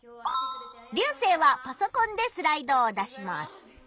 リュウセイはパソコンでスライドを出します。